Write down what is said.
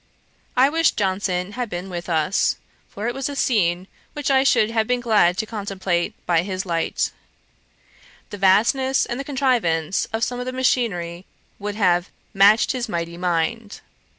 I wish Johnson had been with us: for it was a scene which I should have been glad to contemplate by his light. The vastness and the contrivance of some of the machinery would have 'matched his mighty mind.'